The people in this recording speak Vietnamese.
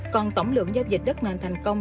còn tổng lượng giao dịch đất nền thành công